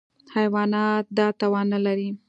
حیوانات دا توان نهلري.